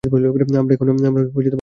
আমরা এখন আর থামছি না।